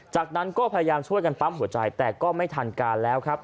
จากนั้นก็พยายามช่วยกันปั๊มหัวใจแต่ก็ไม่ทันการแล้วครับ